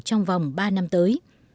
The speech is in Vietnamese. trong vòng ba năm tới